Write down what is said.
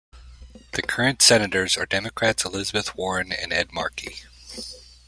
The current Senators are Democrats Elizabeth Warren and Ed Markey.